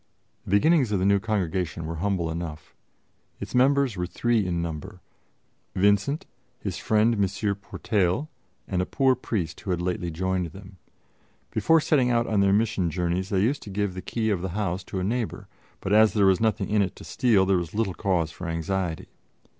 The beginnings of the new Congregation were humble enough. Its members were three in number: Vincent, his friend M. Portail, and a poor priest who had lately joined them. Before setting out on their mission journeys they used to give the key of the house to a neighbor; but as there was nothing in it to steal, there was little cause for anxiety.